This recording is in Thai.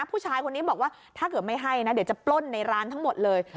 ผู้ชายคนนี้บอกว่าถ้าเกิดไม่ให้นะเดี๋ยวจะปล้นในร้านทั้งหมดเลย